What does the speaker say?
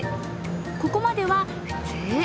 ここまでは普通。